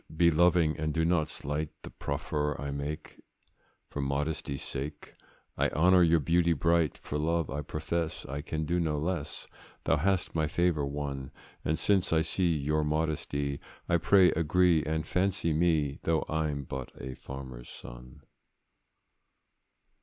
Be loving, and do not slight The proffer I make, for modesty's sake:— I honour your beauty bright. For love, I profess, I can do no less, Thou hast my favour won: And since I see your modesty, I pray agree, and fancy me, Though I'm but a farmer's son.